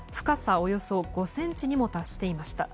およそ５ｃｍにも達していました。